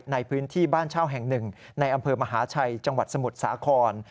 ในพื้นที่บ้านเช่าแห่งหนึ่งในอำเภอมหาชัยจังหวัดสมุทรสาคร